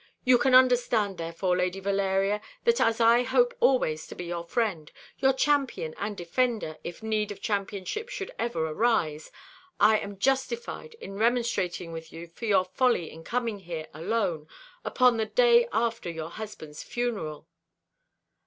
You can understand, therefore, Lady Valeria, that as I hope always to be your friend your champion and defender, if need of championship should ever arise I am justified in remonstrating with you for your folly in coming here alone, upon the day after your husband's funeral."